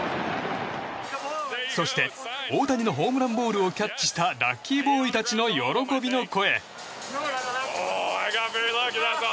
そして、大谷のホームランボールをキャッチしたラッキーボーイたちの喜びの声。